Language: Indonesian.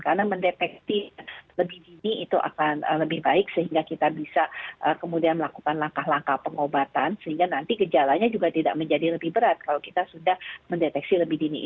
karena mendeteksi lebih dini itu akan lebih baik sehingga kita bisa kemudian melakukan langkah langkah pengobatan sehingga nanti kejalanya juga tidak menjadi lebih berat kalau kita sudah mendeteksi lebih dini